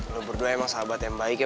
lo berdua emang sahabat yang baik ya